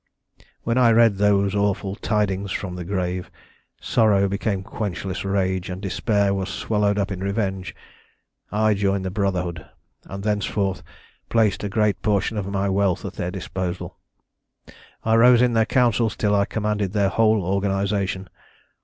"When I read those awful tidings from the grave, sorrow became quenchless rage, and despair was swallowed up in revenge. I joined the Brotherhood, and thenceforth placed a great portion of my wealth at their disposal. I rose in their councils till I commanded their whole organisation.